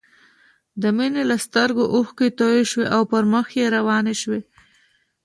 د مينې له سترګو اوښکې توې شوې او پر مخ يې روانې شوې